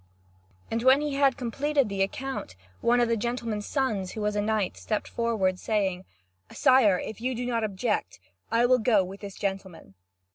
And when he had completed the account, one of the gentleman's sons, who was a knight, stepped forward, saying: "Sire, if you do not object, I will go with this gentleman."